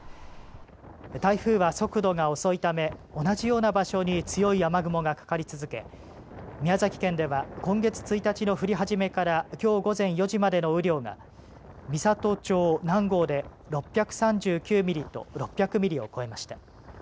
台風は速度が遅いため同じような場所に強い雨雲がかかり続け、宮崎県では今月１日の降り始めからきょう午前４時までの雨量が美郷町南郷で６３９ミリと６００ミリを超えました。